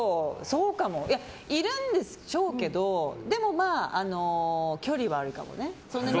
いるんでしょうけどでも、距離はあるかもね。